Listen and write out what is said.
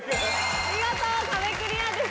見事壁クリアです。